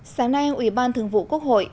sáng nay ủy ban thường vụ quốc hội